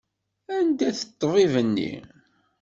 Anda-t ṭṭbib-nni?